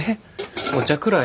お茶くらい。